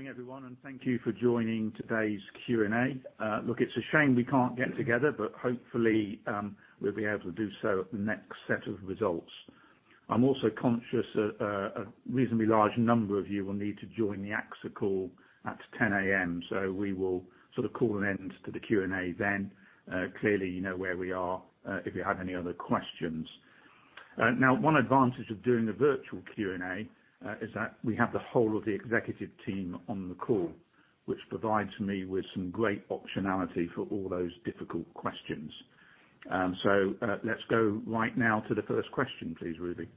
Good morning, everyone. Thank you for joining today's Q&A. Look, it's a shame we can't get together, but hopefully, we'll be able to do so at the next set of results. I'm also conscious a reasonably large number of you will need to join the AXA call at 10:00 A.M., so we will call an end to the Q&A then clearly, you know where we are if you have any other questions. Now, one advantage of doing a virtual Q&A is that we have the whole of the executive team on the call, which provides me with some great optionality for all those difficult questions. Let's go right now to the first question please, Ruby.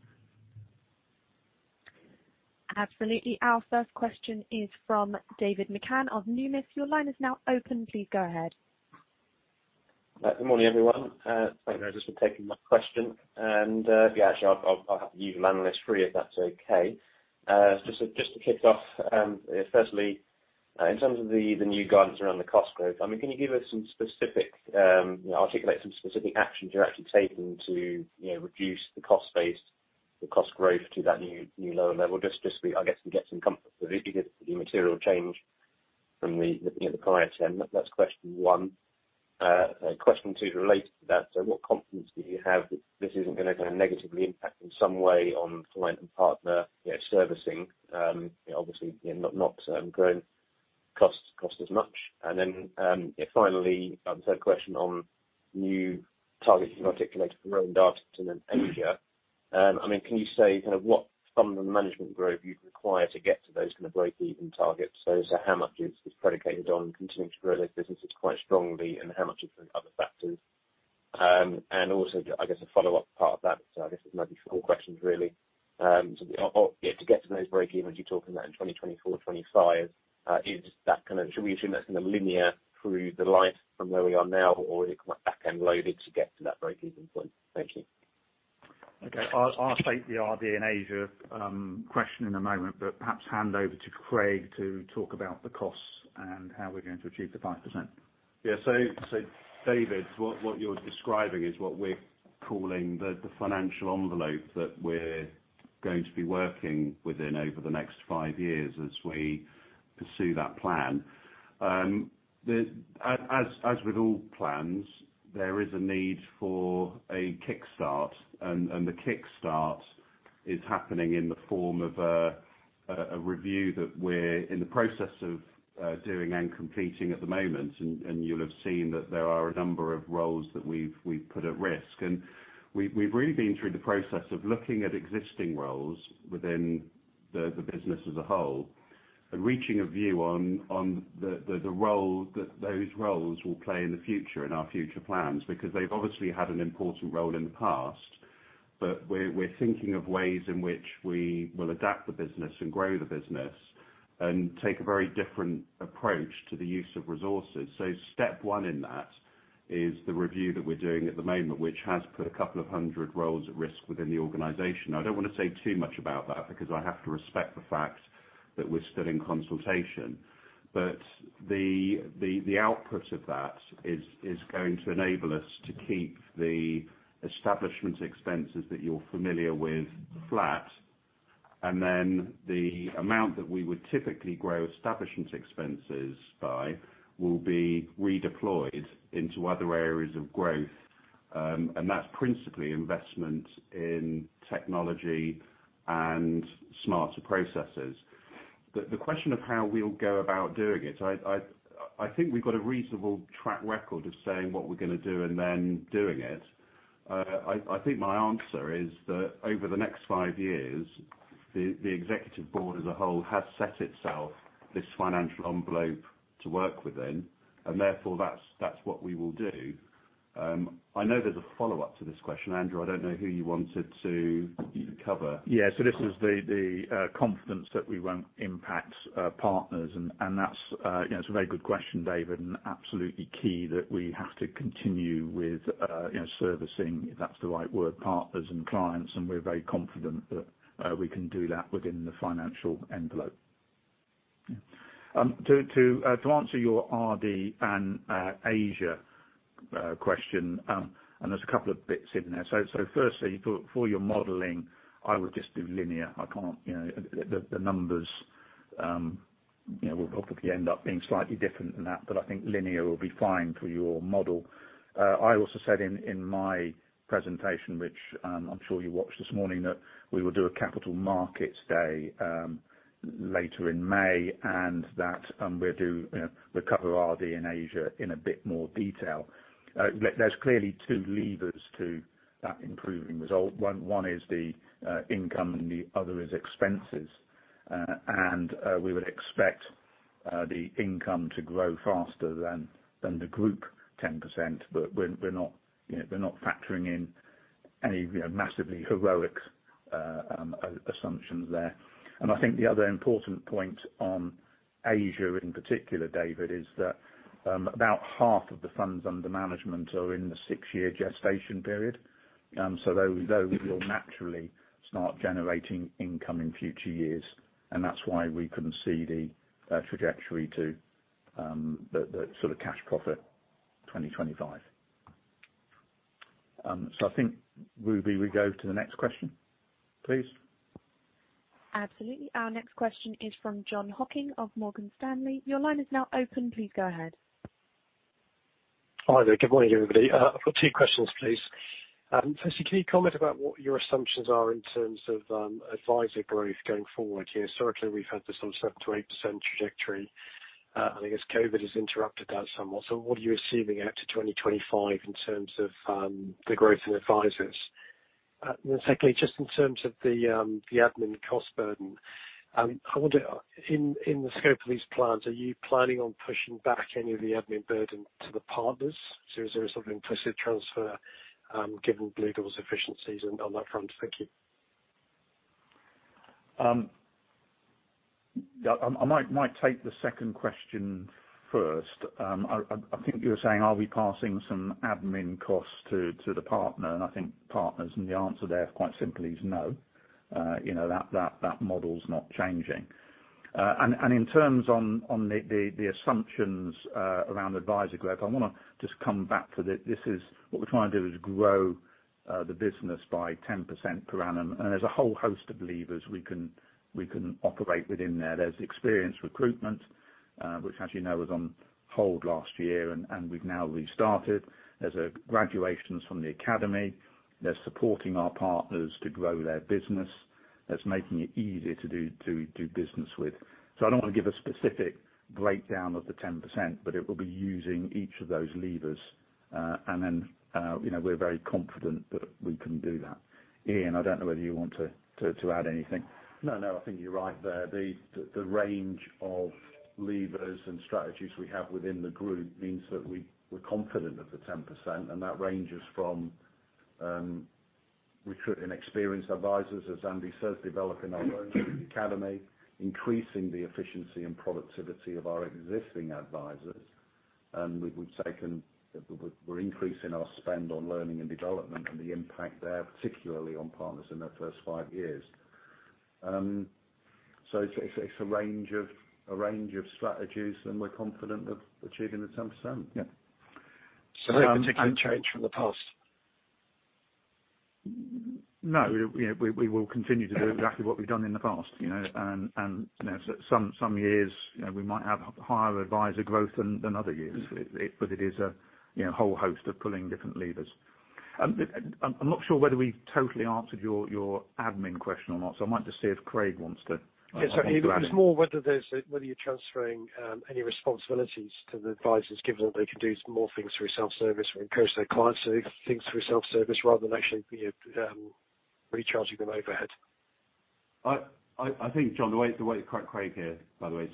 Absolutely. Our first question is from David McCann of Numis. Your line is now open. Please go ahead. Good morning, everyone. Thank you for taking my question. Actually, I'll use my list for you, if that's okay. Just to kick off, firstly, in terms of the new guidance around the cost growth, can you give us some specific, articulate some specific actions you're actually taking to reduce the cost base, the cost growth to that new lower level? Just to, I guess, get some comfort with it, because it's a material change from the prior term. That's question one. Question two is related to that, what confidence do you have that this isn't going to negatively impact in some way on client and partner servicing? Obviously, not growing costs as much. Then finally, the third question on new targets you've articulated for Rowan Dartington and Asia, can you say what funds under management growth you'd require to get to those kind of break-even targets? How much is this predicated on continuing to grow those businesses quite strongly, and how much is from other factors? Also, I guess a follow-up part of that. I guess it might be four questions really. To get to those break-evens, you're talking about in 2024, 2025. Should we assume that's linear through the line from where we are now or is it quite back-end loaded to get to that break-even point? Thank you. Okay. I'll take the RD and Asia question in a moment, but perhaps hand over to Craig to talk about the costs and how we're going to achieve the 5%. Yeah. David, what you're describing is what we're calling the financial envelope that we're going to be working within over the next five years as we pursue that plan. As with all plans, there is a need for a kickstart and the kickstart is happening in the form of a review that we're in the process of doing and completing at the moment. You'll have seen that there are a number of roles that we've put at risk. We've really been through the process of looking at existing roles within the business as a whole and reaching a view on those roles will play in the future, in our future plans because they've obviously had an important role in the past. We're thinking of ways in which we will adapt the business and grow the business and take a very different approach to the use of resources. Step one in that is the review that we're doing at the moment, which has put a couple of 100 roles at risk within the organization. I don't want to say too much about that, because I have to respect the fact that we're still in consultation. The output of that is going to enable us to keep the establishment expenses that you're familiar with flat and the amount that we would typically grow establishment expenses by will be redeployed into other areas of growth and that's principally investment in technology and smarter processes. The question of how we'll go about doing it. I think we've got a reasonable track record of saying what we're going to do and then doing it. I think my answer is that over the next five years, the Executive Board as a whole has set itself this financial envelope to work within, and therefore that's what we will do. I know there's a follow-up to this question. Andrew, I don't know who you wanted to cover. Yeah. This is the confidence that we won't impact partners and that's a very good question, David, and absolutely key that we have to continue with servicing, if that's the right word, partners and clients, and we're very confident that we can do that within the financial envelope. To answer your RD and Asia question. There's a couple of bits in there. Firstly, for your modeling, I would just do linear. The numbers will probably end up being slightly different than that, but I think linear will be fine for your model. I also said in my presentation, which I'm sure you watched this morning, that we will do a Capital Markets Day later in May, and that we'll cover RD in Asia in a bit more detail. There's clearly two levers to that improving result. One is the income, and the other is expenses and we would expect the income to grow faster than the group 10%, but we're not factoring in any massively heroic assumptions there. I think the other important point on Asia in particular, David, is that about half of the funds under management are in the six-year gestation period. Those will naturally start generating income in future years, and that's why we can see the trajectory to the sort of cash profit 2025. I think, Ruby, we go to the next question, please. Absolutely. Our next question is from Jon Hocking of Morgan Stanley. Your line is now open. Please go ahead. Hi there. Good morning, everybody. I've got two questions, please. Firstly, can you comment about what your assumptions are in terms of advisor growth going forward? Historically, we've had this on 7%-8% trajectory. I think as COVID has interrupted that somewhat. What are you assuming out to 2025 in terms of the growth in advisors? Secondly, just in terms of the admin cost burden, I wonder, in the scope of these plans, are you planning on pushing back any of the admin burden to the partners? Is there a sort of implicit transfer, given Bluedoor's efficiencies on that front? Thank you. I might take the second question first. I think you were saying, are we passing some admin costs to the partner? The answer there quite simply is no. That model is not changing. In terms on the assumptions around advisor growth, I want to just come back to this. What we're trying to do is grow the business by 10% per annum. There's a whole host of levers we can operate within there. There's experienced recruitment, which as you know, was on hold last year and we've now restarted. There's graduations from the academy. They're supporting our partners to grow their business. That's making it easier to do business with. I don't want to give a specific breakdown of the 10% but it will be using each of those levers. We're very confident that we can do that. Ian, I don't know whether you want to add anything? No, I think you're right there. The range of levers and strategies we have within the group means that we're confident of the 10%, and that ranges from recruiting experienced advisors, as Andy says, developing our own academy, increasing the efficiency and productivity of our existing advisors. We're increasing our spend on learning and development and the impact there, particularly on partners in their first five years. It's a range of strategies, and we're confident of achieving the 10%. Yeah. No particular change from the past. We will continue to do exactly what we've done in the past. Some years, we might have higher advisor growth than other years. It is a whole host of pulling different levers. I'm not sure whether we totally answered your admin question or not, so I might just see if Craig wants to add. Yeah. It was more whether you're transferring any responsibilities to the advisers, given that they can do more things through self-service or encourage their clients to do things through self-service, rather than actually recharging them overhead. I think, Jon, Craig here, by the way.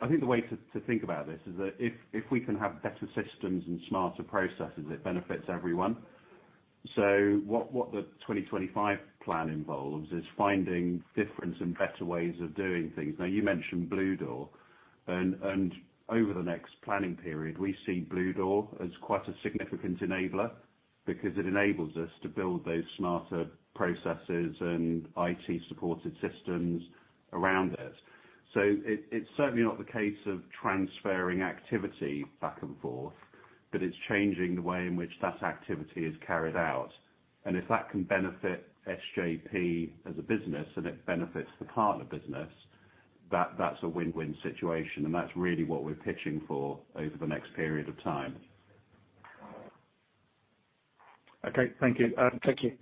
I think the way to think about this is that if we can have better systems and smarter processes, it benefits everyone. What the 2025 plan involves is finding different and better ways of doing things. Now, you mentioned Bluedoor. Over the next planning period, we see Bluedoor as quite a significant enabler because it enables us to build those smarter processes and IT-supported systems around it. It's certainly not the case of transferring activity back and forth, but it's changing the way in which that activity is carried out. If that can benefit SJP as a business and it benefits the partner business, that's a win-win situation and that's really what we're pitching for over the next period of time. Okay. Thank you. Thank you.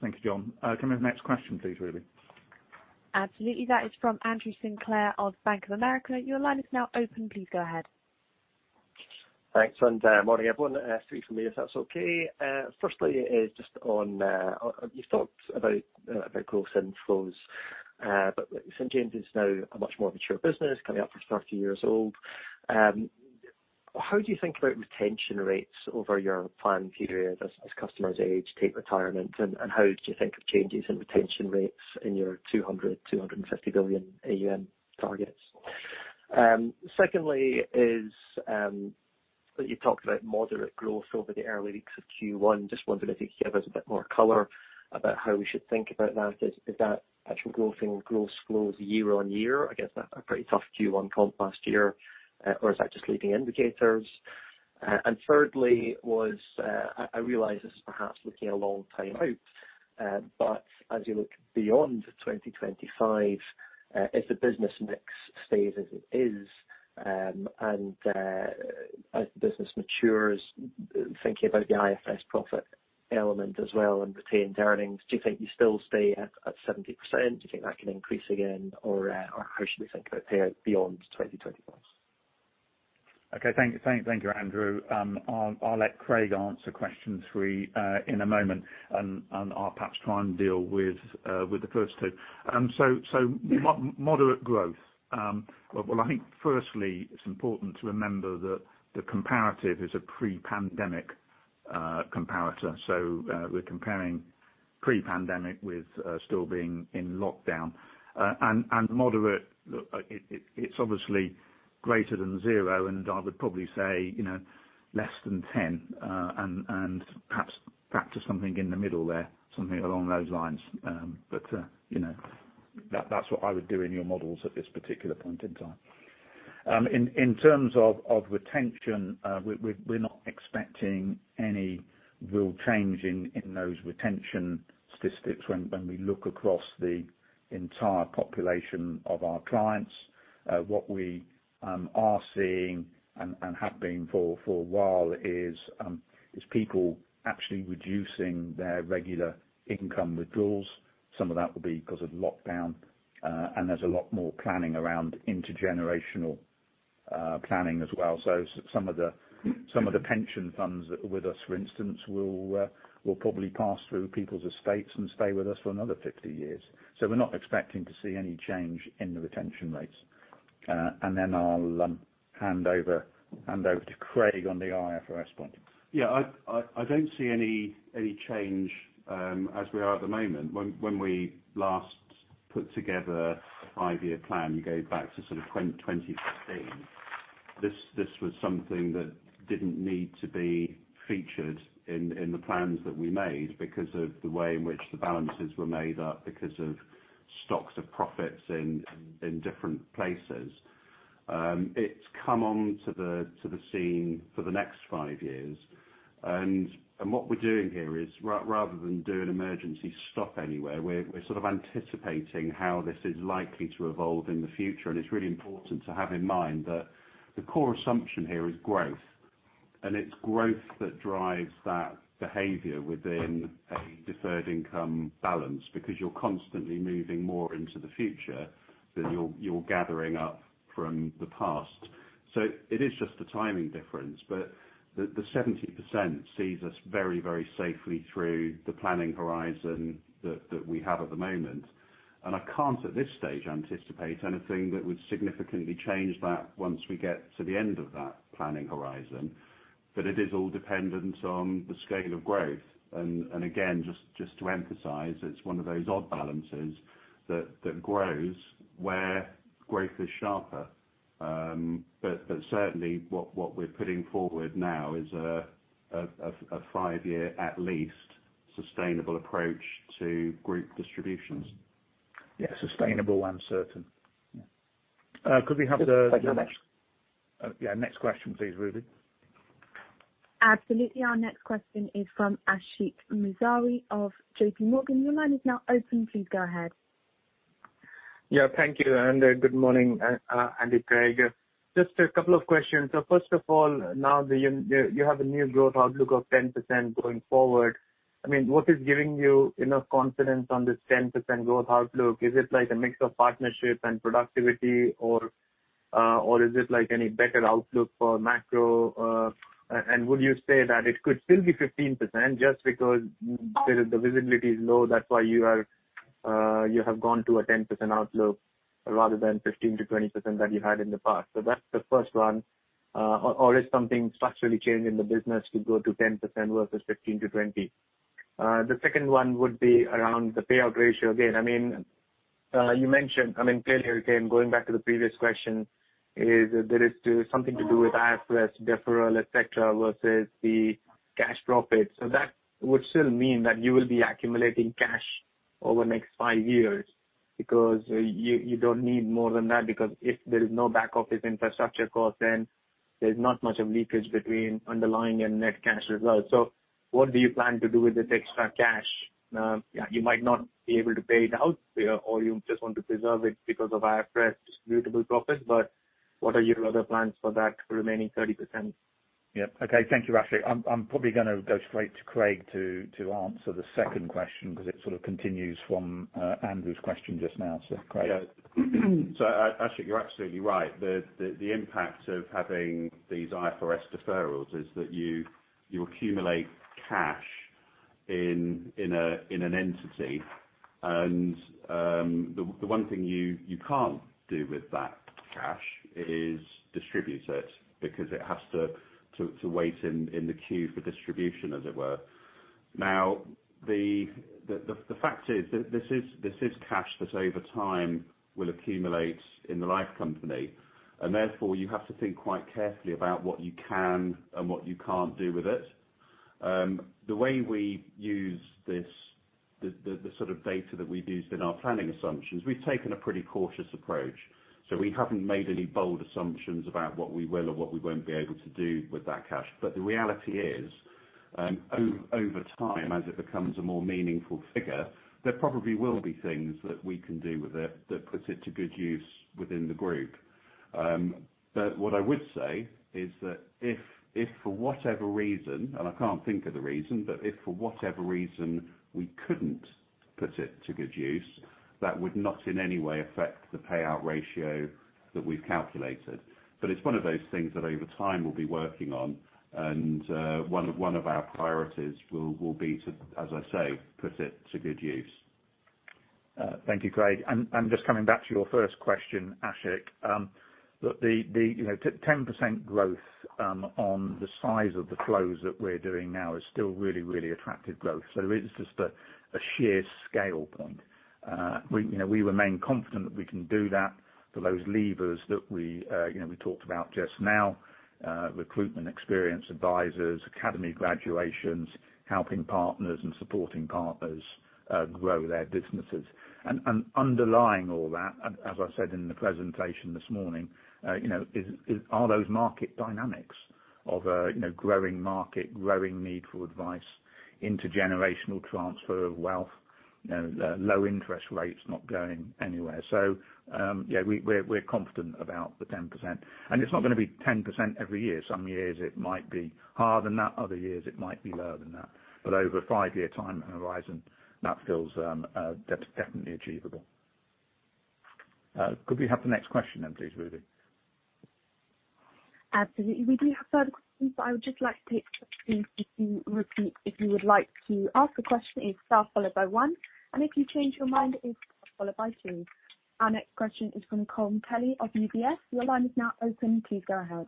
Thank you, Jon. Can we have the next question, please, Ruby? Absolutely. That is from Andy Sinclair of Bank of America. Your line is now open. Please go ahead. Thanks. Morning, everyone. Three from me, if that's okay. Firstly, you talked about gross inflows. St. James's is now a much more mature business coming up for 30-years-old. How do you think about retention rates over your plan period as customers age, take retirement? How do you think of changes in retention rates in your 200 billion, 250 billion AUM targets? Secondly, you talked about moderate growth over the early weeks of Q1. I am just wondering if you could give us a bit more color about how we should think about that. Is that actual growth in gross flows year-on-year? I guess a pretty tough Q1 comp last year. Is that just leading indicators? Thirdly, I realize this is perhaps looking a long time out. As you look beyond 2025, if the business mix stays as it is, and as the business matures, thinking about the IFRS profit element as well and retained earnings, do you think you still stay at 70%? Do you think that can increase again or how should we think about pay beyond 2025? Okay. Thank you, Andrew. I'll let Craig answer question three in a moment, and I'll perhaps try and deal with the first two. Moderate growth. Well, I think firstly it's important to remember that the comparative is a pre-pandemic comparator. We're comparing pre-pandemic with still being in lockdown. Moderate, it's obviously greater than zero, and I would probably say less than 10, and perhaps back to something in the middle there, something along those lines but that's what I would do in your models at this particular point in time. In terms of retention, we're not expecting any real change in those retention statistics when we look across the entire population of our clients. What we are seeing, and have been for a while, is people actually reducing their regular income withdrawals. Some of that will be because of lockdown and there's a lot more planning around intergenerational planning as well. Some of the pension funds with us, for instance, will probably pass through people's estates and stay with us for another 50 years. We're not expecting to see any change in the retention rates and then I'll hand over to Craig on the IFRS point. Yeah. I don't see any change as we are at the moment. When we last put together a five-year plan, you go back to sort of 2015. This was something that didn't need to be featured in the plans that we made because of the way in which the balances were made up because of stocks of profits in different places. It's come onto the scene for the next five years. What we're doing here is rather than do an emergency stop anywhere, we're sort of anticipating how this is likely to evolve in the future. It's really important to have in mind that the core assumption here is growth. It's growth that drives that behavior within a deferred income balance because you're constantly moving more into the future than you're gathering up from the past. It is just a timing difference, but the 70% sees us very safely through the planning horizon that we have at the moment. I can't, at this stage, anticipate anything that would significantly change that once we get to the end of that planning horizon but it is all dependent on the scale of growth. Again, just to emphasize, it's one of those odd balances that grows where growth is sharper. Certainly, what we're putting forward now is a five-year at least sustainable approach to group distributions. Yeah. Sustainable and certain. Yeah. Could we have the- Next. Yeah. Next question, please, Ruby. Absolutely. Our next question is from Ashik Musaddi of JPMorgan. Your line is now open. Please go ahead. Thank you. Good morning, Andy and Craig. Just a couple of questions. First of all, now you have a new growth outlook of 10% going forward. What is giving you enough confidence on this 10% growth outlook? Is it like a mix of partnership and productivity or is it any better outlook for macro? Would you say that it could still be 15% just because the visibility is low, that's why you have gone to a 10% outlook rather than 15%-20% that you had in the past? That's the first one. Is something structurally changed in the business to go to 10% versus 15%-20%? The second one would be around the payout ratio. Again, you mentioned, clearly, again, going back to the previous question, is there something to do with IFRS deferral, etc., versus the cash profit. That would still mean that you will be accumulating cash over the next five years because you don't need more than that, because if there is no back-office infrastructure cost, then there's not much of leakage between underlying and net cash as well. What do you plan to do with this extra cash? You might not be able to pay it out or you just want to preserve it because of IFRS distributable profits but what are your other plans for that remaining 30%? Yeah. Okay. Thank you, Ashik. I'm probably going to go straight to Craig to answer the second question because it sort of continues from Andrew's question just now. Craig. Ashik, you're absolutely right. The impact of having these IFRS deferrals is that you accumulate cash in an entity. The one thing you can't do with that cash is distribute it because it has to wait in the queue for distribution, as it were. Now the fact is this is cash that over time will accumulate in the life company, and therefore you have to think quite carefully about what you can and what you can't do with it. The way we use this, the sort of data that we've used in our planning assumptions, we've taken a pretty cautious approach. We haven't made any bold assumptions about what we will or what we won't be able to do with that cash. The reality is, over time, as it becomes a more meaningful figure, there probably will be things that we can do with it that puts it to good use within the group. What I would say is that if for whatever reason, and I can't think of the reason, but if for whatever reason we couldn't put it to good use, that would not in any way affect the payout ratio that we've calculated. It's one of those things that over time we'll be working on, and one of our priorities will be to, as I say, put it to good use. Thank you, Craig. Just coming back to your first question, Ashik. The 10% growth on the size of the flows that we're doing now is still really attractive growth so it is just a sheer scale point. We remain confident that we can do that for those levers that we talked about just now. Recruitment experience, advisors, academy graduations, helping partners, and supporting partners grow their businesses. Underlying all that, as I said in the presentation this morning, are those market dynamics of a growing market, growing need for advice, intergenerational transfer of wealth, low interest rates not going anywhere. Yeah, we're confident about the 10%. It's not going to be 10% every year. Some years it might be harder than that. Other years it might be lower than that. Over a five-year time horizon, that feels definitely achievable. Could we have the next question then, please, Ruby? Absolutely. We do have further questions, but I would just like to repeat, if you would like to ask a question, it's star followed by one, and if you change your mind, it is star followed by two. Our next question is from Colm Kelleher of UBS. Your line is now open. Please go ahead.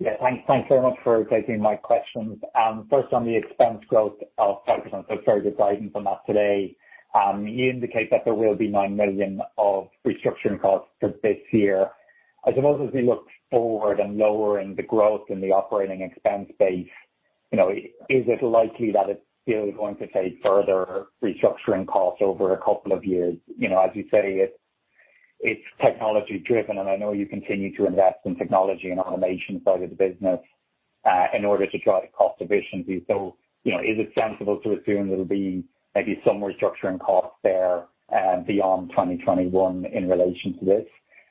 Yeah, thanks so much for taking my questions. First, on the expense growth of 5%. Very good guidance on that today. You indicate that there will be 9 million of restructuring costs for this year. I suppose, as we look forward and lowering the growth in the operating expense base, is it likely that it's still going to take further restructuring costs over a couple of years? As you say, it's technology-driven, and I know you continue to invest in technology and automation side of the business in order to drive cost efficiency. Is it sensible to assume there'll be maybe some restructuring costs there beyond 2021 in relation to this?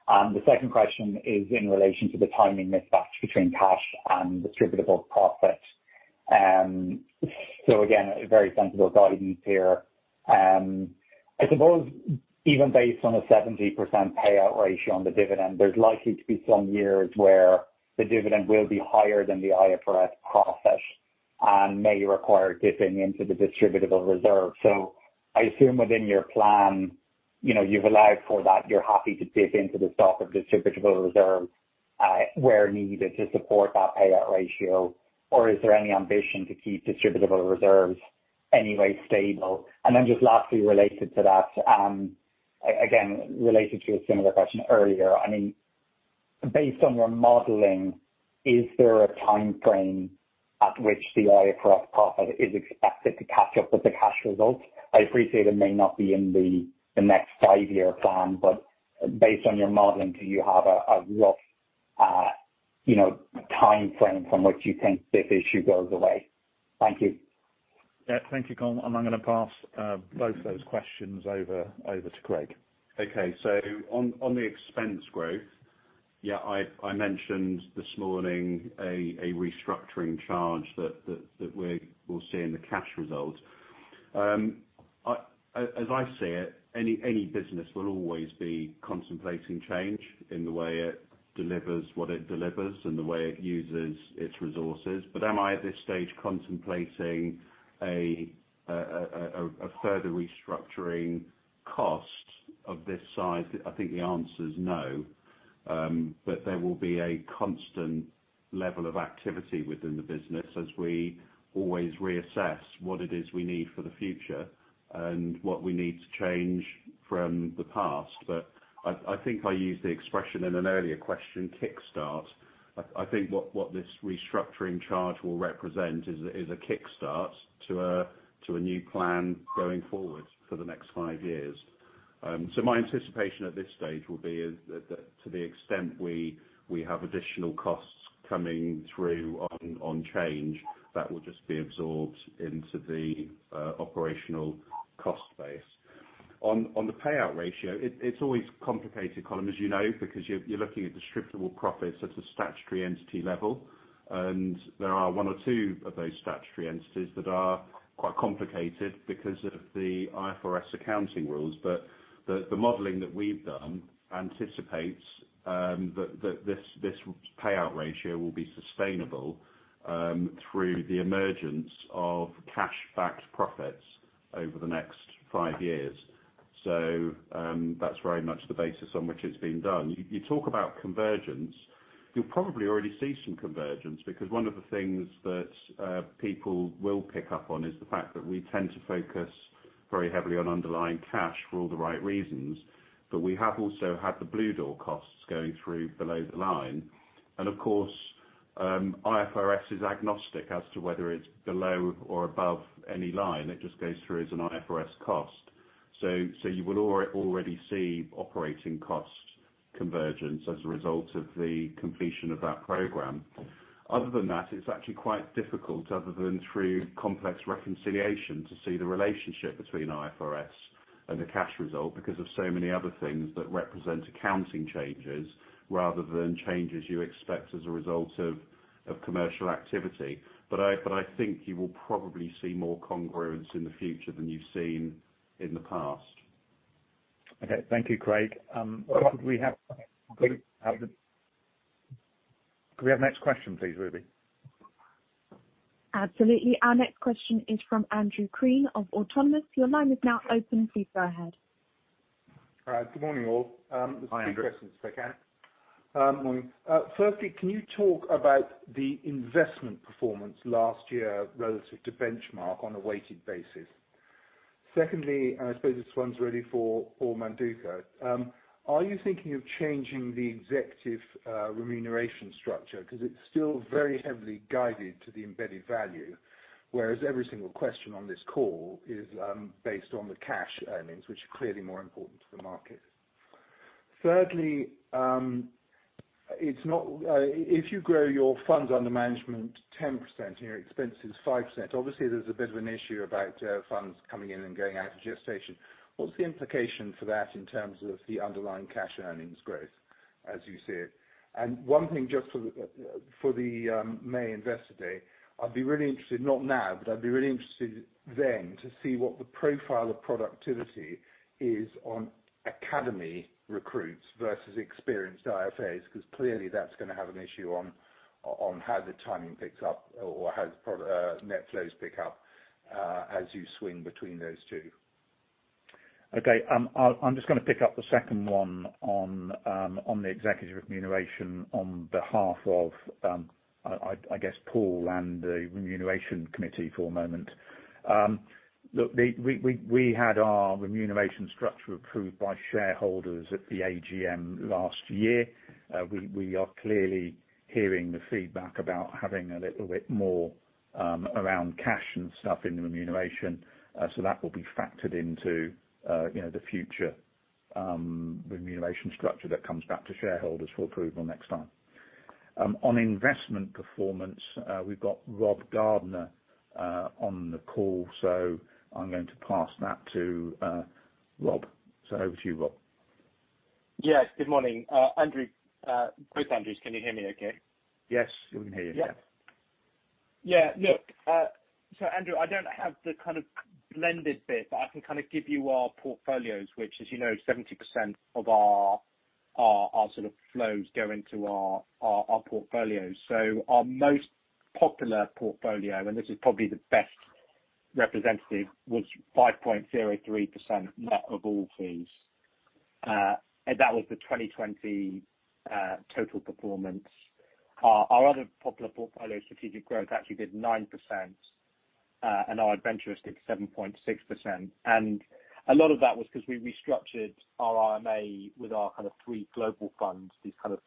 The second question is in relation to the timing mismatch between cash and distributable profit. Again, very sensible guidance here. I suppose even based on a 70% payout ratio on the dividend, there's likely to be some years where the dividend will be higher than the IFRS profit and may require dipping into the distributable reserve. I assume within your plan, you've allowed for that, you're happy to dip into the stock of distributable reserve, where needed, to support that payout ratio oriIs there any ambition to keep distributable reserves anyway stable? And then just lastly, related to that, again, related to a similar question earlier, based on your modeling, is there a timeframe at which the IFRS profit is expected to catch up with the cash results? I appreciate it may not be in the next five-year plan, but based on your modeling, do you have a rough timeframe from which you think this issue goes away? Thank you. Yeah, thank you, Colm. I'm going to pass both of those questions over to Craig. On the expense growth, yeah, I mentioned this morning a restructuring charge that we'll see in the cash results. As I see it, any business will always be contemplating change in the way it delivers what it delivers and the way it uses its resources. Am I, at this stage, contemplating a further restructuring cost of this size? I think the answer is no. There will be a constant level of activity within the business as we always reassess what it is we need for the future and what we need to change from the past. I think I used the expression in an earlier question, kick start. I think what this restructuring charge will represent is a kick start to a new plan going forward for the next five years. My anticipation at this stage will be is that to the extent we have additional costs coming through on change, that will just be absorbed into the operational cost base. On the payout ratio, it's always complicated, Colm, as you know, because you're looking at distributable profits at a statutory entity level. There are one or two of those statutory entities that are quite complicated because of the IFRS accounting rules. The modeling that we've done anticipates that this payout ratio will be sustainable through the emergence of cash-backed profits over the next five years. That's very much the basis on which it's been done. You talk about convergence. You'll probably already see some convergence, because one of the things that people will pick up on is the fact that we tend to focus very heavily on underlying cash for all the right reasons. We have also had the Bluedoor costs going through below the line. Of course, IFRS is agnostic as to whether it's below or above any line. It just goes through as an IFRS cost. You would already see operating cost convergence as a result of the completion of that program. Other than that, it's actually quite difficult, other than through complex reconciliation, to see the relationship between IFRS and the cash result because of so many other things that represent accounting changes rather than changes you expect as a result of commercial activity. I think you will probably see more congruence in the future than you've seen in the past. Okay. Thank you, Craig. Could we have the next question, please, Ruby? Absolutely. Our next question is from Andrew Crean of Autonomous. Your line is now open. Please go ahead. All right. Good morning, all. Hi, Andrew. Two questions if I can. Morning. Firstly, can you talk about the investment performance last year relative to benchmark on a weighted basis? Secondly, I suppose this one's really for Manduca. Are you thinking of changing the executive remuneration structure? It's still very heavily-guided to the embedded value, whereas every single question on this call is based on the cash earnings, which are clearly more important to the market. Thirdly, if you grow your funds under management 10%, your expense is 5%. Obviously, there's a bit of an issue about funds coming in and going out of gestation. What's the implication for that in terms of the underlying cash earnings growth as you see it? One thing just for the May Investor Day, I'd be really interested, not now, but I'd be really interested then to see what the profile of productivity is on academy recruits versus experienced IFAs, because clearly that's going to have an issue on how the timing picks up or how the net flows pick up as you swing between those two. Okay. I'm just going to pick up the second one on the executive remuneration on behalf of, I guess, Paul and the Remuneration Committee for a moment. Look, we had our remuneration structure approved by shareholders at the AGM last year. We are clearly hearing the feedback about having a little bit more around cash and stuff in the remuneration and so that will be factored into the future remuneration structure that comes back to shareholders for approval next time. On investment performance, we've got Rob Gardner on the call. I'm going to pass that to Rob. Over to you, Rob. Yes. Good morning. Both Andrews, can you hear me okay? Yes, we can hear you. Yeah. Yeah. Andrew, I don't have the kind of blended bit, but I can give you our portfolios, which, as you know, 70% of our sort of flows go into our portfolios. Our most popular portfolio, and this is probably the best representative, was 5.03% net of all fees. That was the 2020 total performance. Our other popular portfolio, strategic growth, actually did 9% and our adventurous did 7.6%. A lot of that was because we restructured our IMA with our three global funds, these kind of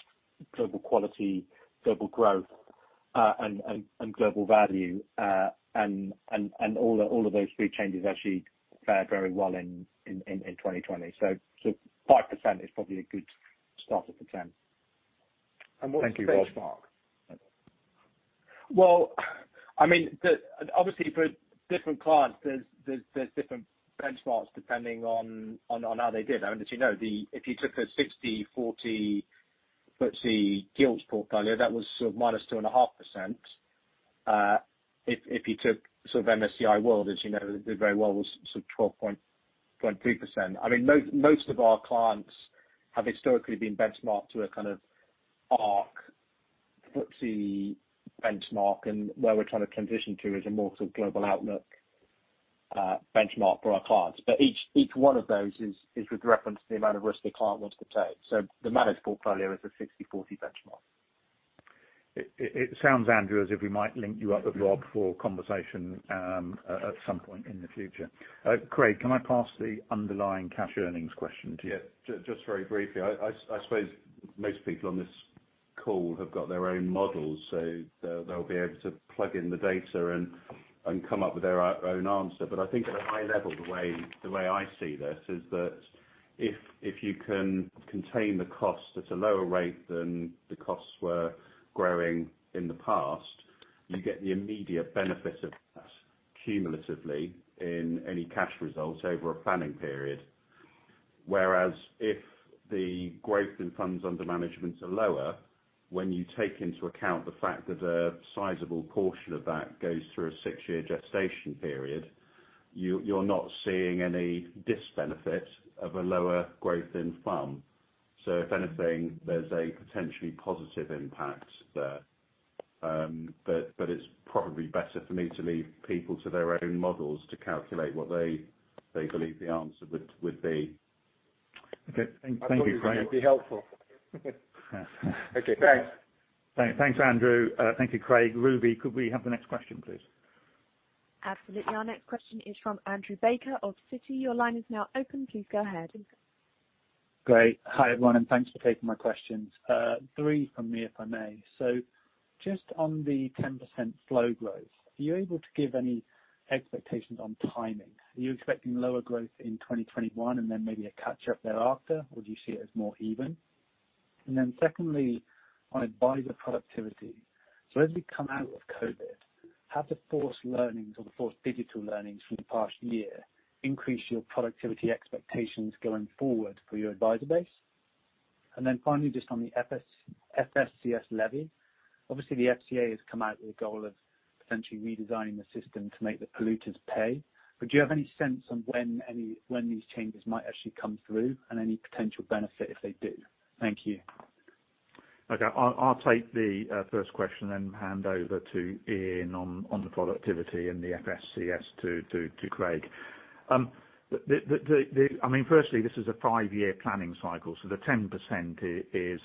global quality, global growth, and global value. All of those three changes actually fared very well in 2020. 5% is probably a good starter for 10%. Thank you, Rob. Well, I mean, obviously for different clients, there's different benchmarks depending on how they did. As you know, if you took a 60-40 FTSE Gilts portfolio, that was sort of 2.5%. If you took MSCI World, as you know, did very well, was sort of 12.3%. I mean, most of our clients have historically been benchmarked to a kind of ARC FTSE benchmark, where we're trying to transition to is a more sort of global outlook benchmark for our clients. Each one of those is with reference to the amount of risk the client wants to take. The managed portfolio is a 60-40 benchmark. It sounds, Andrew, as if we might link you up with Rob for a conversation at some point in the future. Craig, can I pass the underlying cash earnings question to you? Yeah. Just very briefly. I suppose most people on this call have got their own models, so they'll be able to plug in the data and come up with their own answer. I think at a high level, the way I see this is that if you can contain the cost at a lower rate than the costs were growing in the past, you get the immediate benefit of that cumulatively in any cash results over a planning period. Whereas if the growth in funds under management are lower, when you take into account the fact that a sizable portion of that goes through a six-year gestation period, you're not seeing any disbenefit of a lower growth in fund. If anything, there's a potentially positive impact there but it is probably better for me to leave people to their own models to calculate what they believe the answer would be. Okay. Thank you, Craig. I thought it would be helpful. Okay, thanks. Thanks, Andrew. Thank you, Craig. Ruby, could we have the next question, please? Absolutely. Our next question is from Andrew Baker of Citi. Your line is now open. Please go ahead. Great. Hi, everyone, and thanks for taking my questions. Three from me, if I may. Just on the 10% flow growth, are you able to give any expectations on timing? Are you expecting lower growth in 2021 and then maybe a catch-up thereafter, or do you see it as more even and then secondly, on advisor productivity. As we come out of COVID, have the forced learnings or the forced digital learnings from the past year increased your productivity expectations going forward for your advisor base? And then finally, just on the FSCS levy. Obviously, the FCA has come out with a goal of potentially redesigning the system to make the polluters pay. Do you have any sense on when these changes might actually come through and any potential benefit if they do? Thank you. Okay. I'll take the first question, then hand over to Ian on the productivity and the FSCS to Craig. Firstly, this is a five-year planning cycle, the 10% is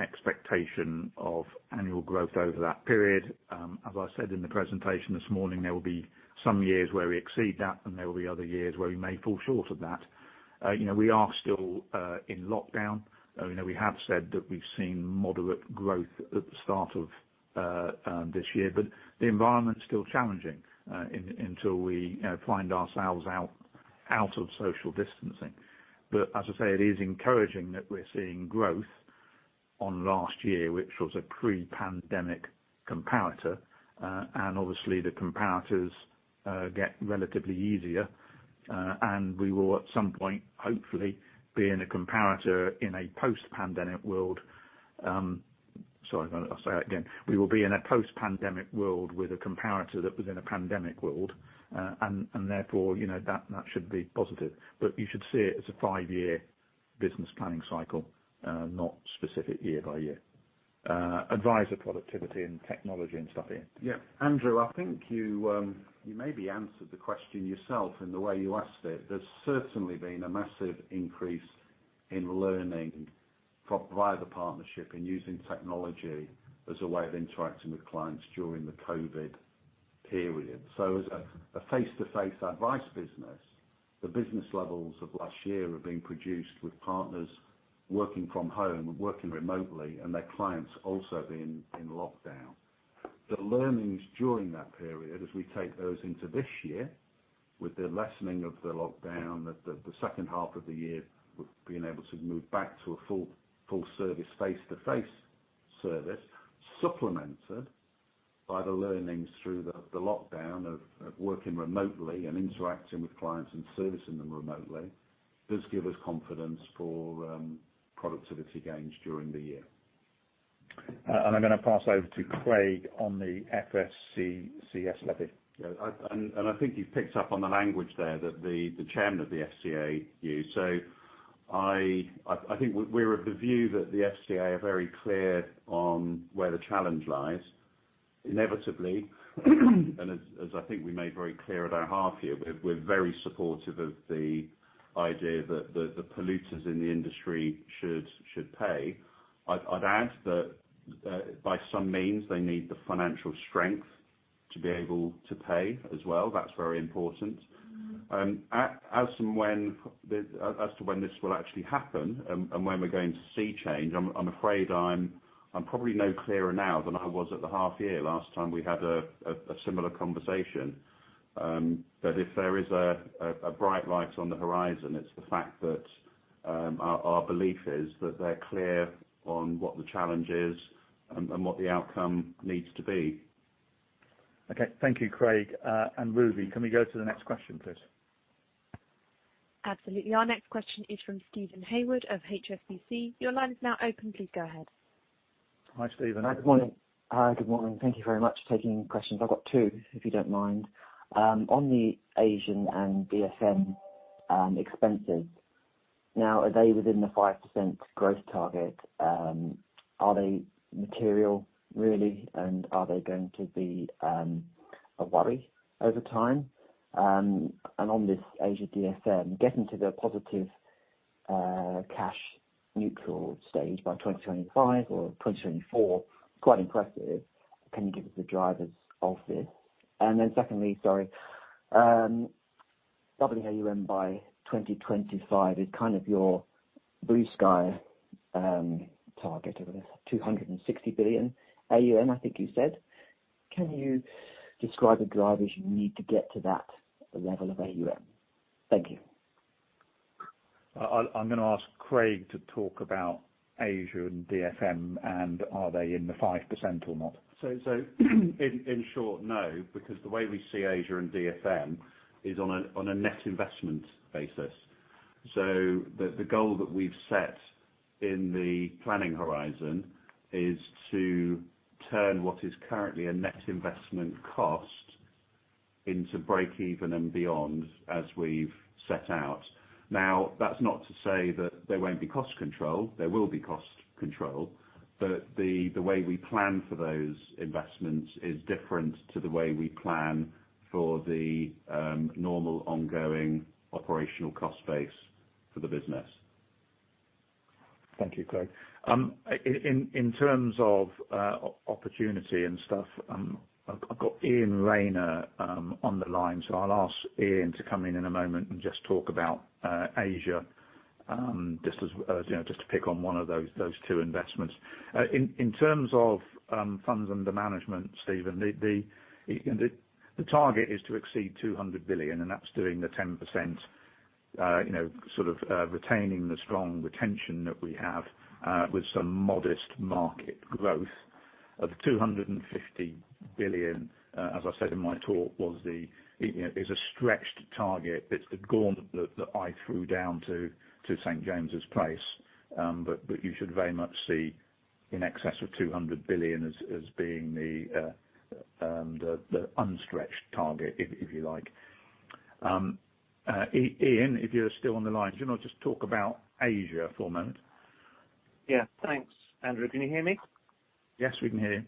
expectation of annual growth over that period. As I said in the presentation this morning, there will be some years where we exceed that, there will be other years where we may fall short of that. We are still in lockdown. We have said that we've seen moderate growth at the start of this year, the environment's still challenging until we find ourselves out of social distancing. As I say, it is encouraging that we're seeing growth on last year, which was a pre-pandemic comparator. Obviously the comparators get relatively easier, and we will, at some point, hopefully be in a comparator in a post-pandemic world. Sorry, I'll say that again. We will be in a post-pandemic world with a comparator that was in a pandemic world and therefore, that should be positive. You should see it as a five-year business planning cycle, not specific year by year. Advisor productivity and technology and stuff, Ian. Andrew, I think you maybe answered the question yourself in the way you asked it. There's certainly been a massive increase in learning by the partnership in using technology as a way of interacting with clients during the COVID period. As a face-to-face advice business, the business levels of last year have been produced with partners working from home, working remotely, and their clients also being in lockdown. The learnings during that period, as we take those into this year, with the lessening of the lockdown, the second half of the year, we've been able to move back to a full service face-to-face service, supplemented by the learnings through the lockdown of working remotely and interacting with clients and servicing them remotely, does give us confidence for productivity gains during the year I'm going to pass over to Craig on the FSCS levy. Yeah. I think you've picked up on the language there that the Chairman of the FCA used. I think we're of the view that the FCA are very clear on where the challenge lies. Inevitably, and as I think we made very clear at our half year, we're very supportive of the idea that the polluters in the industry should pay. I'd add that by some means, they need the financial strength to be able to pay as well. That's very important. As to when this will actually happen and when we're going to see change, I'm afraid I'm probably no clearer now than I was at the half year, last time we had a similar conversation. If there is a bright light on the horizon, it's the fact that our belief is that they're clear on what the challenge is and what the outcome needs to be. Okay. Thank you, Craig. Ruby, can we go to the next question, please? Absolutely. Our next question is from Stephen Hayward of HSBC. Your line is now open. Please go ahead. Hi, Stephen. Hi, good morning. Thank you very much for taking questions. I've got two, if you don't mind. On the Asian and DFM expenses, now, are they within the 5% growth target? Are they material, really, and are they going to be a worry over time? On this Asia DFM, getting to the positive cash neutral stage by 2025 or 2024, quite impressive. Can you give us the drivers of this? Secondly, sorry, doubling AUM by 2025 is kind of your blue sky target of this 260 billion AUM, I think you said. Can you describe the drivers you need to get to that level of AUM? Thank you. I'm going to ask Craig to talk about Asia and DFM and are they in the 5% or not? In short, no, because the way we see Asia and DFM is on a net investment basis. The goal that we've set in the planning horizon is to turn what is currently a net investment cost into break-even and beyond as we've set out. Now, that's not to say that there won't be cost control. There will be cost control but the way we plan for those investments is different to the way we plan for the normal ongoing operational cost base for the business. Thank you, Craig. In terms of opportunity and stuff, I've got Iain Rayner on the line. I'll ask Iain to come in in a moment and just talk about Asia, just to pick on one of those two investments. In terms of funds under management, Stephen, the target is to exceed 200 billion. That's doing the 10%, sort of retaining the strong retention that we have with some modest market growth. Of the 250 billion, as I said in my talk, is a stretched target. It's the gauntlet that I threw down to St. James's Place. You should very much see in excess of 200 billion as being the un-stretched target, if you like. Ian, if you're still on the line, do you want to just talk about Asia for a moment? Yeah. Thanks, Andrew. Can you hear me? Yes, we can hear you.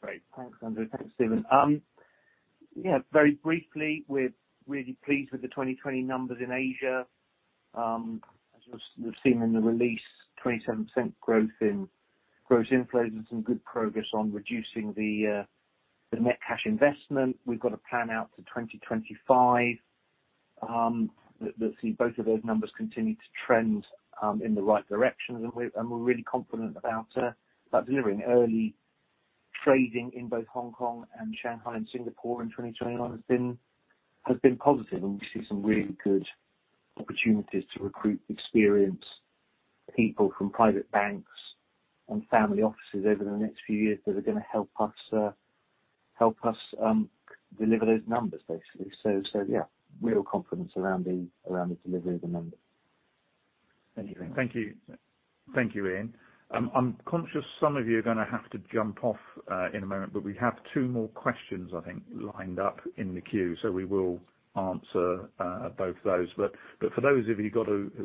Great. Thanks, Andrew. Thanks, Stephen. Yeah, very briefly, we're really pleased with the 2020 numbers in Asia. As you have seen in the release, 27% growth in gross inflows and some good progress on reducing the net cash investment. We've got a plan out to 2025 that see both of those numbers continue to trend in the right direction. We're really confident about delivering early trading in both Hong Kong and Shanghai and Singapore in 2021 has been positive. We see some really good opportunities to recruit experienced people from private banks and family offices over the next few years that are going to help us deliver those numbers, basically. Real confidence around the delivery of the numbers. Anything. Thank you, Ian. I'm conscious some of you are going to have to jump off in a moment, but we have two more questions, I think, lined up in the queue. We will answer both of those. For those of you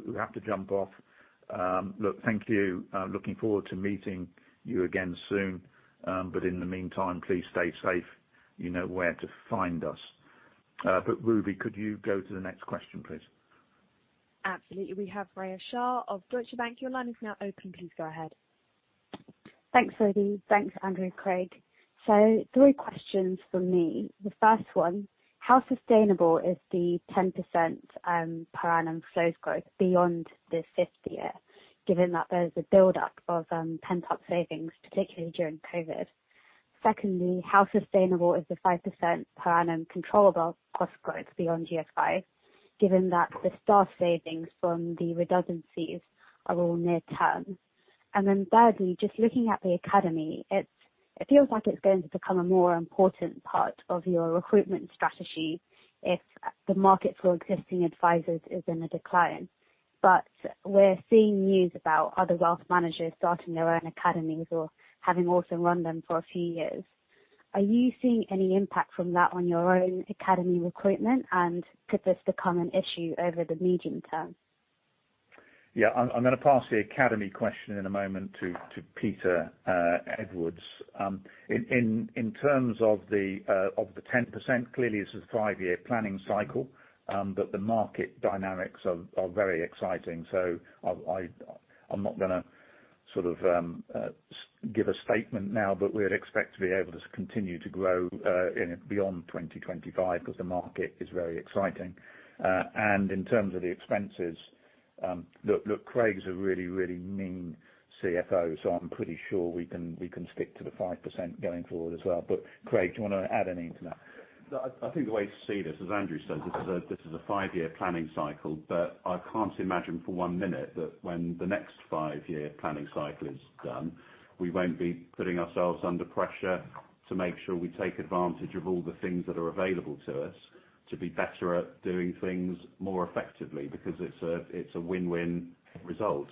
who have to jump off, look, thank you. I am looking forward to meeting you again soon. In the meantime, please stay safe. You know where to find us. Ruby, could you go to the next question, please? Absolutely. We have Rhea Shah of Deutsche Bank. Your line is now open. Please go ahead. Thanks, Ruby. Thanks, Andrew, Craig. Three questions from me. The first one, how sustainable is the 10% per annum flows growth beyond this fifth year, given that there's a buildup of pent-up savings, particularly during COVID? Secondly, how sustainable is the 5% per annum controllable cost growth beyond year five, given that the staff savings from the redundancies are all near-term? And then thirdly, just looking at the academy, it feels like it's going to become a more important part of your recruitment strategy if the market for existing advisers is in a decline. We're seeing news about other wealth managers starting their own academies or having also run them for a few years. Are you seeing any impact from that on your own academy recruitment? Could this become an issue over the medium term? Yeah, I'm going to pass the academy question in a moment to Peter Edwards. In terms of the 10%, clearly, this is a five-year planning cycle, but the market dynamics are very exciting. I'm not going to give a statement now, but we would expect to be able to continue to grow in it beyond 2025 because the market is very exciting. In terms of the expenses, look, Craig is a really mean CFO, so I'm pretty sure we can stick to the 5% going forward as well. Craig, do you want to add anything to that? No, I think the way to see this, as Andrew says, this is a five-year planning cycle, but I can't imagine for one minute that when the next five-year planning cycle is done, we won't be putting ourselves under pressure to make sure we take advantage of all the things that are available to us to be better at doing things more effectively because it's a win-win result.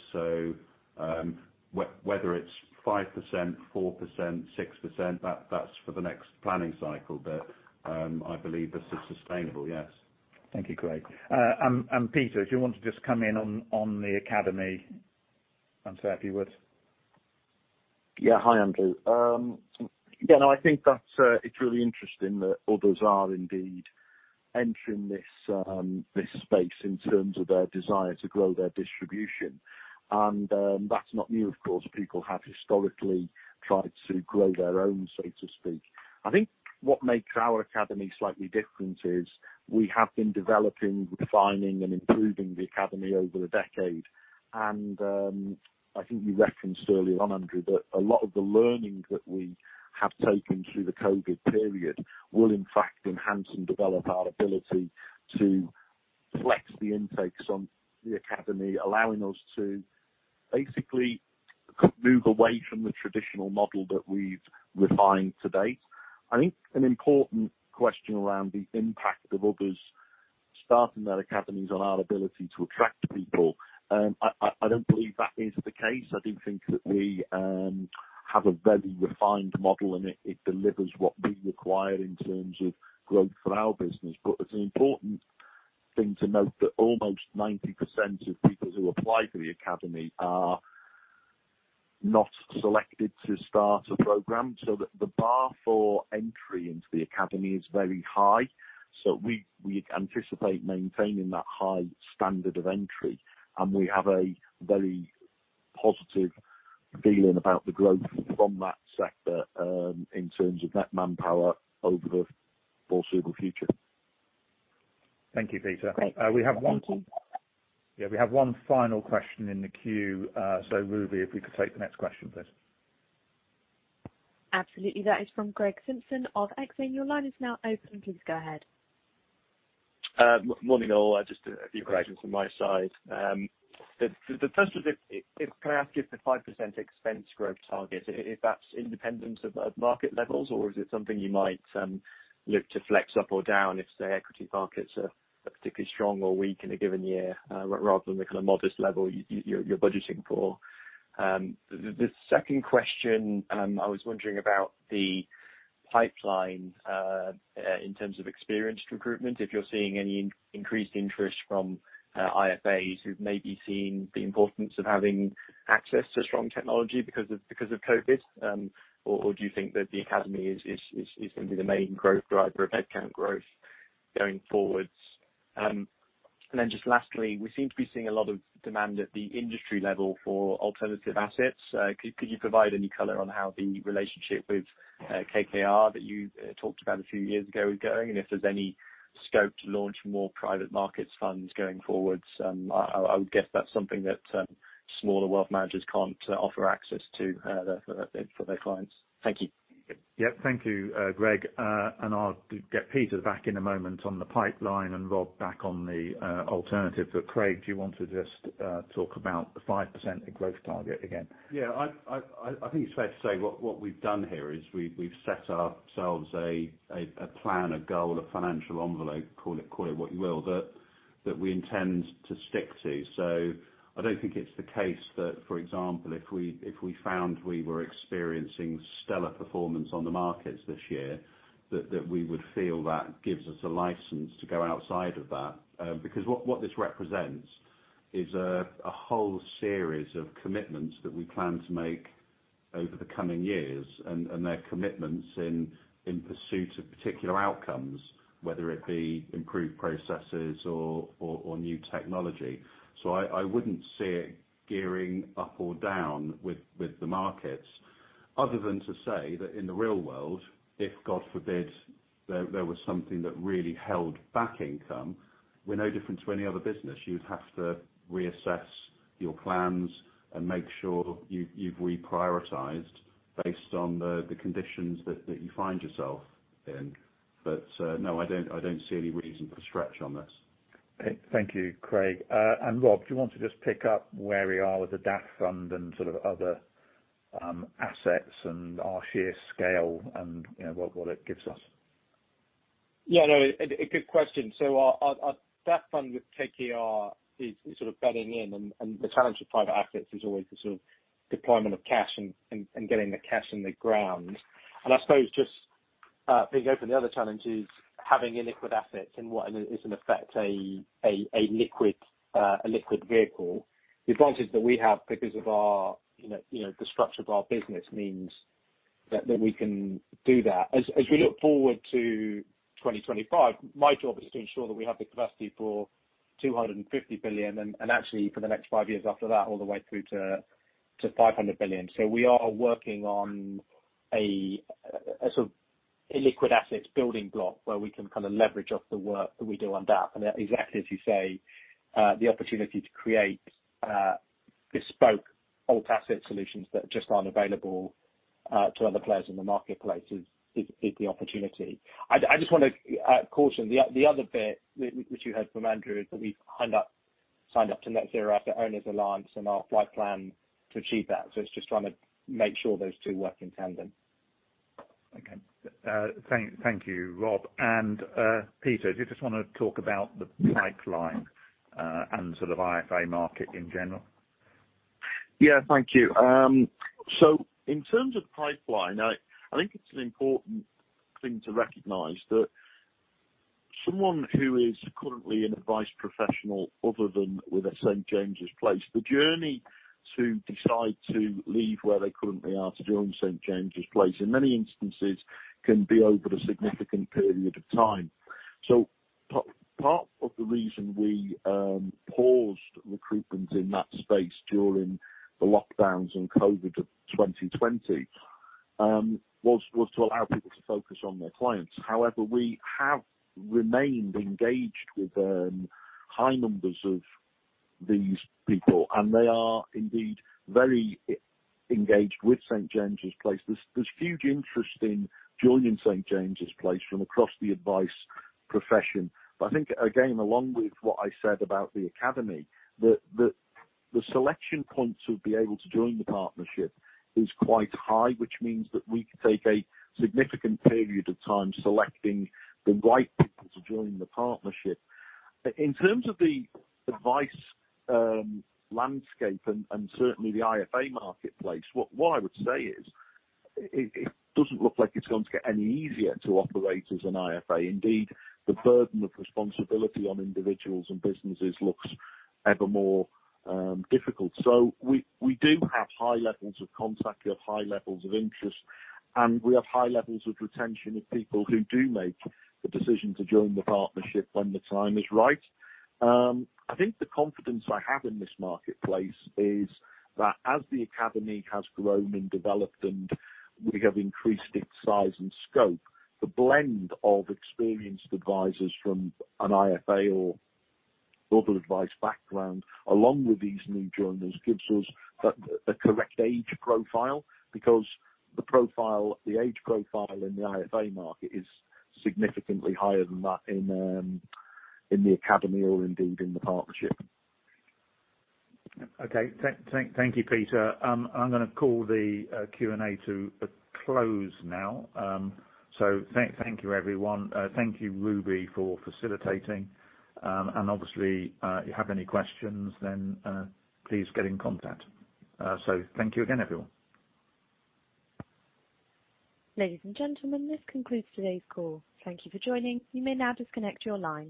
Whether it's 5%, 4%, 6%, that's for the next planning cycle. I believe this is sustainable, yes. Thank you, Craig. Peter, if you want to just come in on the academy, I'm sure if you would. Yeah. Hi, Andrew. I think that it's really interesting that others are indeed entering this space in terms of their desire to grow their distribution. That's not new, of course. People have historically tried to grow their own, so to speak. I think what makes our academy slightly different is we have been developing, refining, and improving the academy over a decade. I think you referenced earlier on, andrew, that a lot of the learning that we have taken through the COVID period will in fact enhance and develop our ability to flex the intakes on the academy, allowing us to basically move away from the traditional model that we've refined to date. I think an important question around the impact of others starting their academies on our ability to attract people. I don't believe that is the case. I do think that we have a very refined model, and it delivers what we require in terms of growth for our business. It's an important thing to note that almost 90% of people who apply for the academy are not selected to start a program. The bar for entry into the academy is very high. We anticipate maintaining that high standard of entry, and we have a very positive feeling about the growth from that sector in terms of net manpower over the foreseeable future. Thank you, Peter. Great. Thank you. Yeah, we have one final question in the queue. Ruby, if we could take the next question, please. Absolutely. That is from Greg Simpson of Exane. Your line is now open. Please go ahead. Morning, all. Just a few questions from my side. The first is, can I ask you if the 5% expense growth target, if that's independent of market levels, or is it something you might look to flex up or down if the equity markets are particularly strong or weak in a given year rather than the kind of modest level you're budgeting for? The second question, I was wondering about the pipeline in terms of experienced recruitment, if you're seeing any increased interest from IFAs who've maybe seen the importance of having access to strong technology because of COVID, or do you think that the academy is going to be the main growth driver of headcount growth going forwards? Just lastly, we seem to be seeing a lot of demand at the industry level for alternative assets. Could you provide any color on how the relationship with KKR that you talked about a few years ago is going, and if there's any scope to launch more private markets funds going forward? I would guess that's something that smaller wealth managers can't offer access to for their clients. Thank you. Yeah. Thank you, Greg. I'll get Peter back in a moment on the pipeline, and Rob back on the alternative. Craig, do you want to just talk about the 5% growth target again? Yeah. I think it's fair to say what we've done here is we've set ourselves a plan, a goal, a financial envelope, call it what you will, that we intend to stick to. I don't think it's the case that, for example, if we found we were experiencing stellar performance on the markets this year, that we would feel that gives us a license to go outside of that because what this represents is a whole series of commitments that we plan to make over the coming years, and they're commitments in pursuit of particular outcomes, whether it be improved processes or new technology. I wouldn't see it gearing up or down with the markets other than to say that in the real-world, if, God forbid, there was something that really held back income, we're no different to any other business. You'd have to reassess your plans and make sure you've reprioritized based on the conditions that you find yourself in. No, I don't see any reason for stretch on this. Okay. Thank you, Craig. And Rob, do you want to just pick up where we are with the DAF fund and sort of other assets and our sheer scale and what it gives us? Yeah, no, a good question. Our DAF fund with KKR is sort of bedding in, and the challenge with private assets is always the sort of deployment of cash and getting the cash in the ground. I suppose just being open, the other challenge is having illiquid assets in what is in effect a liquid vehicle. The advantage that we have because of the structure of our business means that we can do that. As we look forward to 2025, my job is to ensure that we have the capacity for 250 billion, and actually for the next five years after that, all the way through to 500 billion. We are working on a sort of illiquid assets building block where we can kind of leverage off the work that we do on DAF. Exactly as you say, the opportunity to create bespoke alt asset solutions that just aren't available to other players in the marketplace is the opportunity. I just want to caution, the other bit, which you heard from Andrew, is that we've signed up to Net-Zero Asset Owner Alliance and our flight plan to achieve that so we just want to make sure that those two work in tandem. Okay. Thank you, Rob. Peter, do you just want to talk about the pipeline and sort of IFA market in general? Yeah, thank you. In terms of pipeline, I think it's an important thing to recognize that someone who is currently an advice professional other than with a St. James's Place, the journey to decide to leave where they currently are to join St. James's Place in many instances can be over a significant period of time. Part of the reason we paused recruitment in that space during the lockdowns and COVID of 2020 was to allow people to focus on their clients. However, we have remained engaged with high numbers of these people, and they are indeed very engaged with St. James's Place. There's huge interest in joining St. James's Place from across the advice profession, but I think, again, along with what I said about the academy, the selection point to be able to join the partnership is quite high, which means that we take a significant period of time selecting the right people to join the partnership. In terms of the advice landscape and certainly the IFA marketplace, what I would say is it doesn't look like it's going to get any easier to operate as an IFA. Indeed, the burden of responsibility on individuals and businesses looks ever more difficult. We do have high levels of contact, we have high levels of interest, and we have high levels of retention of people who do make the decision to join the partnership when the time is right. I think the confidence I have in this marketplace is that as the academy has grown and developed and we have increased its size and scope, the blend of experienced advisors from an IFA or other advice background, along with these new joiners, gives us the correct age profile because the age profile in the IFA market is significantly higher than that in the academy or indeed in the partnership. Okay. Thank you, Peter. I'm going to call the Q&A to a close now. Thank you, everyone. Thank you, Ruby, for facilitating. Obviously, you have any questions, then please get in contact. Thank you again, everyone. Ladies and gentlemen, this concludes today's call. Thank you for joining. You may now disconnect your lines.